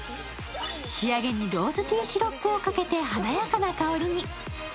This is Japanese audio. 仕上げにローズティーシロップをかけて華やかな香りに。